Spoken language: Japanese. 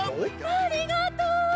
ありがとう！